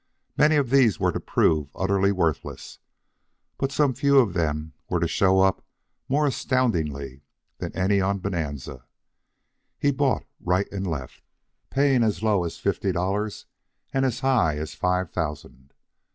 Many of these were to prove utterly worthless, but some few of them were to show up more astoundingly than any on Bonanza. He bought right and left, paying as low as fifty dollars and as high as five thousand.